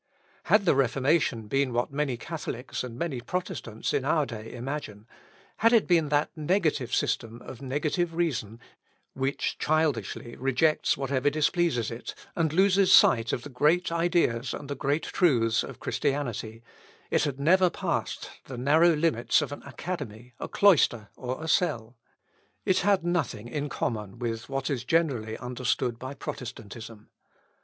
Had the Reformation been what many Catholics and many Protestants in our day imagine, had it been that negative system of negative reason, which childishly rejects whatever displeases it, and loses sight of the great ideas and great truths of Christianity, it had never passed the narrow limits of an academy, a cloister, or a cell. It had nothing in common with what is generally understood by Protestantism.